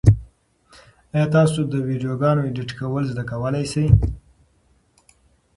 ایا تاسو د ویډیوګانو ایډیټ کول زده کولای شئ؟